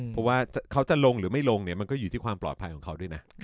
เพราะว่าเขาจะลงหรือไม่ลงเนี่ยมันก็อยู่ที่ความปลอดภัยของเขาด้วยนะ